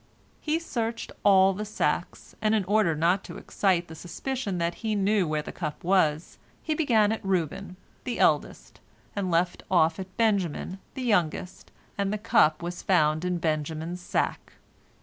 He searched all the sacks, and in order not to excite the suspicion that he knew where the cup was, he began at Reuben, the eldest, and left off at Benjamin, the youngest, and the cup was found in Benjamin's sack.